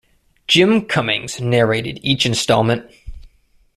Jim Cummings narrated each installment.